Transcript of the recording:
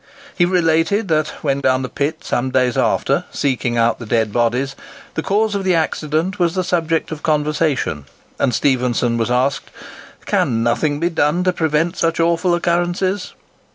He related that, when down the pit some days after, seeking out the dead bodies, the cause of the accident was the subject of conversation, and Stephenson was asked, "Can nothing be done to prevent such awful occurrences?"